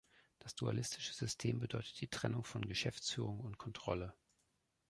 Das dualistische System bedeutet die Trennung von Geschäftsführung und Kontrolle.